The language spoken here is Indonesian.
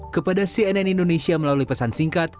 kepada cnn indonesia melalui pesan singkat